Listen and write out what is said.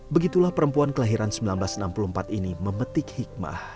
begitulah perempuan kelahiran seribu sembilan ratus enam puluh empat ini memetik hikmah